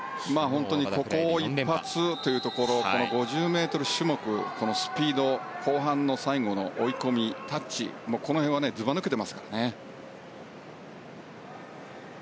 本当にここ一発というところ５０ｍ種目、スピード後半の最後の追い込み、タッチこの辺はずば抜けてますからね。